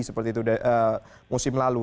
seperti itu musim lalu